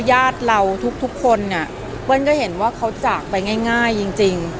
ญาติเราทุกคนเนี่ยเปิ้ลก็เห็นว่าเขาจากไปง่ายจริง